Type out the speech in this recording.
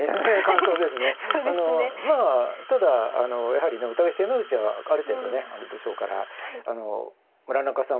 まあただやはりねお互い手の内はある程度ねあれでしょうから村中さん